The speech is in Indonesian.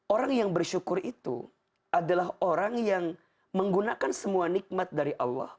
orang yang bersyukur itu adalah orang yang menggunakan semua nikmat dari allah